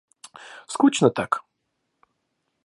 Скучно так